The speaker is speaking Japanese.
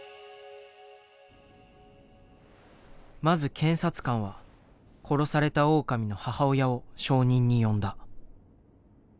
まず検察官は殺されたオオカミの母親を証人に呼んだ。